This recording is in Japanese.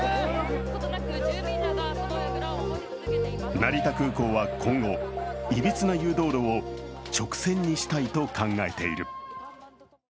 成田空港は今後、いびつな誘導路を直線にしたいと考えている。